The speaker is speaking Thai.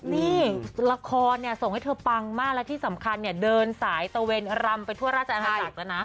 นี่ราคาส่งให้เธอปังมากและที่สำคัญเนี่ยเดินสายตะเวนรำไปทั่วราชอาหัสจักรนะ